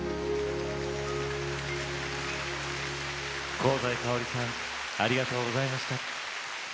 香西かおりさんありがとうございました。